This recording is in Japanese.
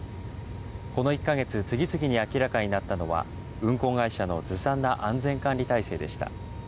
この１か月、次々に明らかになったのは運航会社のずさんな安全管理体制でした。